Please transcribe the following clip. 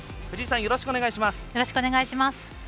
藤井さん、よろしくお願いします。